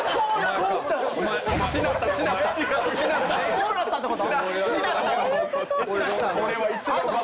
こうなったってこと？